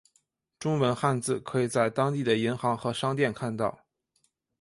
中文汉字可以在当地的银行和商店看到。